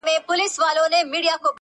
• او زما شکر له خپل زړه سره پیوند دی -